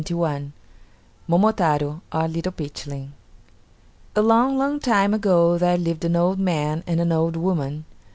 MOMOTARO, OR LITTLE PEACHLING A long long time ago there lived an old man and an old woman.